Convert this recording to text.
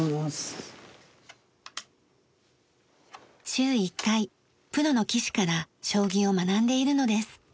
週１回プロの棋士から将棋を学んでいるのです。